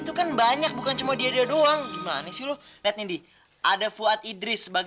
dia benar benar menganggap dirinya aku dan aku adalah dia